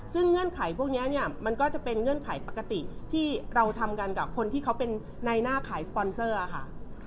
ซึ่งเงื่อนไขพวกนี้เนี่ยมันก็จะเป็นเงื่อนไขปกติที่เราทำกันกับคนที่เขาเป็นในหน้าขายสปอนเซอร์ค่ะ